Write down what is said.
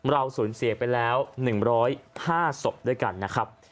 เราสูญเสียไปแล้ว๑๐๕ศพด้วยกันนะครับ